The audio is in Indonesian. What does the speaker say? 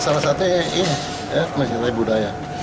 salah satu ini mencintai budaya